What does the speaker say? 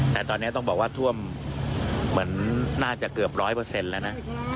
แต่ตอนนี้ต้องบอกว่าท่วมเหมือนน่าจะเกือบ๑๐๐แล้วนะ